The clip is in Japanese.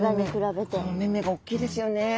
お目目が大きいですよね！